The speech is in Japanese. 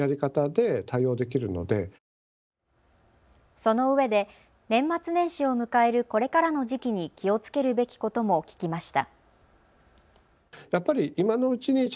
そのうえで年末年始を迎えるこれからの時期に気をつけるべきことも聞きました。